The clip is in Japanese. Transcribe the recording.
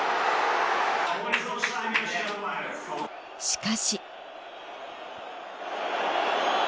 しかし。